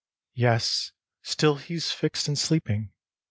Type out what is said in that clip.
Yes, still he's fixed, and sleeping